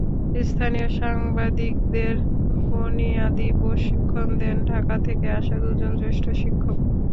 স্থানীয় সাংবাদিকদের বনিয়াদি প্রশিক্ষণ দেন ঢাকা থেকে আসা দুজন জ্যেষ্ঠ প্রশিক্ষক।